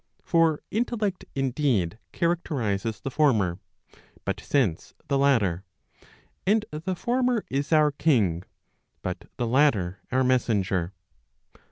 For intellect indeed characterizes the former, but sense the latter. And the former is our king, but the latter our messenger.